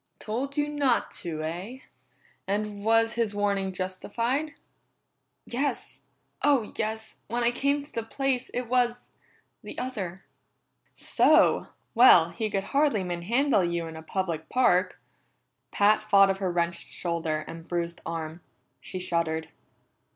"Told you not to, eh? And was his warning justified?" "Yes. Oh, yes! When I came to the place, it was the other." "So! Well, he could hardly manhandle you in a public park." Pat thought of her wrenched shoulder and bruised arm. She shuddered.